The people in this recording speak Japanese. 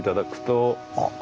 あっ。